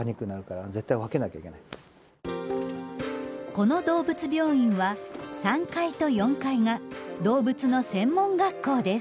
この動物病院は３階と４階が動物の専門学校です。